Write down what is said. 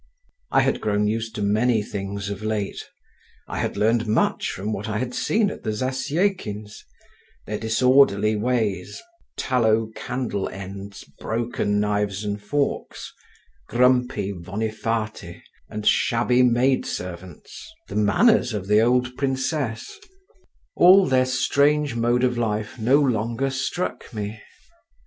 I had grown used to many things of late; I had learned much from what I had seen at the Zasyekins; their disorderly ways, tallow candle ends, broken knives and forks, grumpy Vonifaty, and shabby maid servants, the manners of the old princess—all their strange mode of life no longer struck me….